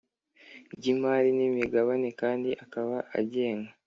ry imari n imigabane kandi akaba agengwa